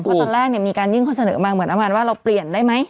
เพราะตอนแรกเนี้ยมีการยื่นเขาเสนอมาเหมือนกับว่าเราเปลี่ยนได้ไหม